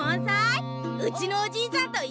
うちのおじいちゃんといっしょだ！